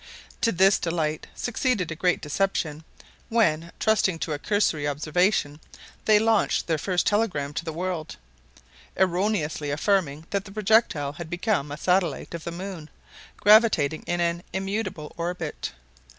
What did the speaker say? To this delight succeeded a great deception, when, trusting to a cursory observation, they launched their first telegram to the world, erroneously affirming that the projectile had become a satellite of the moon, gravitating in an immutable orbit.